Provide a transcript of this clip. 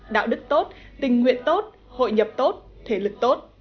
đạo đức tốt tình nguyện tốt hội nhập tốt thể lực tốt